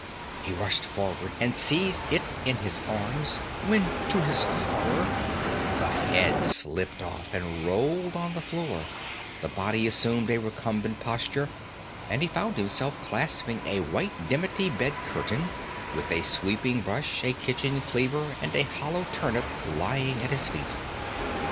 He rushed forward and seized it in his arms, when, to his horror, the head slipped off and rolled on the floor, the body assumed a recumbent posture, and he found himself clasping a white dimity bed curtain, with a sweeping brush, a kitchen cleaver, and a hollow turnip lying at his feet!